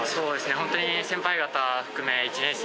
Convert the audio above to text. ホントに先輩方含め１年生